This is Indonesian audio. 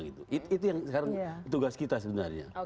itu yang sekarang tugas kita sebenarnya